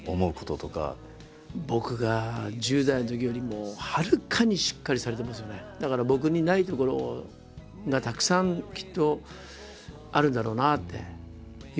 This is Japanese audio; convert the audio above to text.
だから僕にないところがたくさんきっとあるんだろうなっていうふうに思います。